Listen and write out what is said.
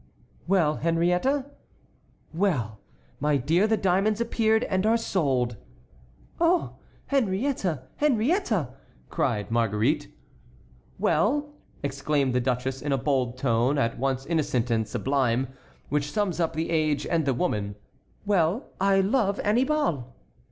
'" "Well, Henriette?" "Well, my dear, the diamonds appeared and are sold." "Oh, Henriette! Henriette!" cried Marguerite. "Well!" exclaimed the duchess in a bold tone at once innocent and sublime, which sums up the age and the woman, "well, I love Annibal!"